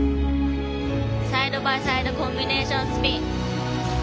サイドバイサイドコンビネーションスピン。